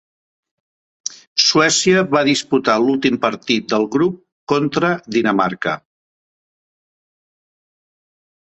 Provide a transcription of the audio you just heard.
Suècia va disputar l'últim partit del grup contra Dinamarca.